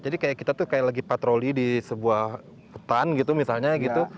jadi kayak kita tuh kayak lagi patroli di sebuah hutan gitu misalnya gitu